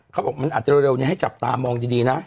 เขาบอกมันอาจจะเร็วให้จับตามองดีนะ